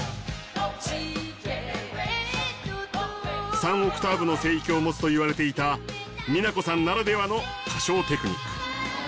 ３オクターブの声域を持つといわれていた美奈子．さんならではの歌唱テクニック。